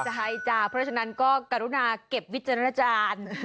ใช่จ้ะเพราะฉะนั้นก็กรุณาเก็บวิจารณ์